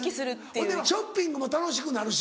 ほいでショッピングも楽しくなるし。